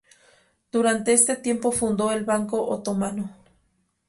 Durante este tiempo fundó el Banco Otomano.